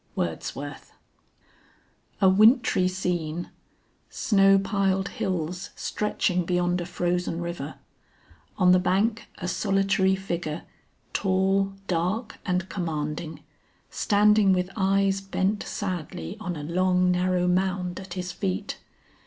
WORDSWORTH. A wintry scene. Snow piled hills stretching beyond a frozen river. On the bank a solitary figure tall, dark and commanding, standing with eyes bent sadly on a long narrow mound at his feet.